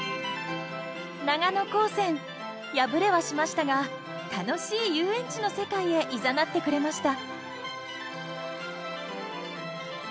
長野高専敗れはしましたが楽しい遊園地の世界へいざなってくれました。